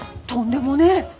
とんでもねえ。